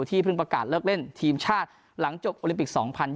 เพิ่งประกาศเลิกเล่นทีมชาติหลังจบโอลิมปิก๒๐๒๐